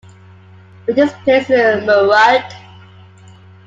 Which is placed in murud.